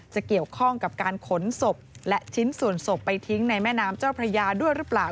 จะเกี่ยวข้องกับการขนศพและชิ้นส่วนศพไปทิ้งในแม่น้ำเจ้าพระยาด้วยหรือเปล่า